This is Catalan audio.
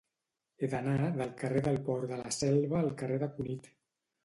He d'anar del carrer del Port de la Selva al carrer de Cunit.